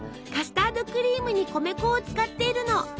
カスタードクリームに米粉を使っているの。